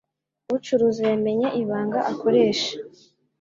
ucuruza yamenye ibanga akoresha